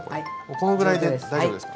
このぐらいで大丈夫ですか？